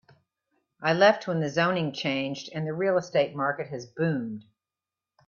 I left when the zoning changed and the real estate market has boomed.